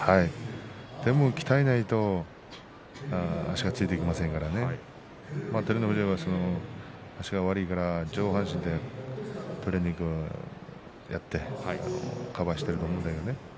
鍛えないと足がついていきませんから照ノ富士は足が悪いから上半身で取りにいってカバーしていると思うんですよね。